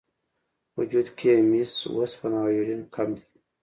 وجود کې یې مس، وسپنه او ایودین کم دي.